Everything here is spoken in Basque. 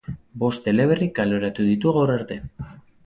Bost eleberri kaleratu ditu gaur arte.